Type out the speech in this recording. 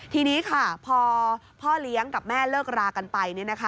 ทีนี้ค่ะพอพ่อเลี้ยงกับแม่เลิกรากันไป